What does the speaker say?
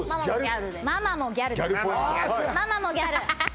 ママもギャルです